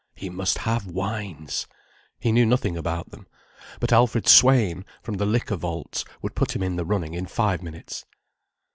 He must have wines. He knew nothing about them. But Alfred Swayn, from the Liquor Vaults, would put him in the running in five minutes.